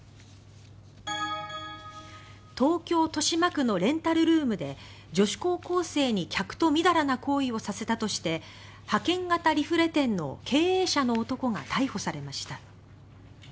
東京・豊島区のレンタルルームで女子高校生に客とみだらな行為をさせたとして派遣型リフレ店の経営者の男が逮捕されました。